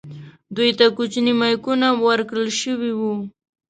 دوی ته کوچني مایکونه ورکړل شوي وو.